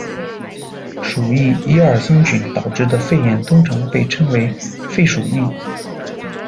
鼠疫耶尔森菌导致的肺炎通常被称为肺鼠疫。